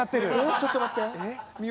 ちょっと待って。